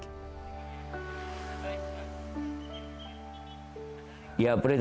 peri tak ingin kebaikan orang lain berhenti di dirinya